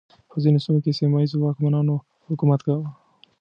په ځینو سیمو کې سیمه ییزو واکمنانو حکومت کاوه.